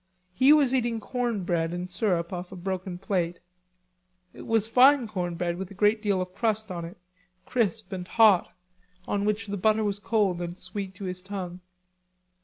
He was eating cornbread and syrup off a broken plate. It was fine cornbread with a great deal of crust on it, crisp and hot, on which the butter was cold and sweet to his tongue.